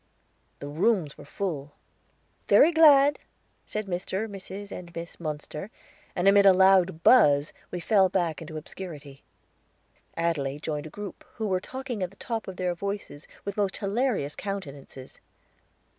The rooms were full. "Very glad," said Mr., Mrs., and Miss Munster, and amid a loud buzz we fell back into obscurity. Adelaide joined a group, who were talking at the top of their voices, with most hilarious countenances.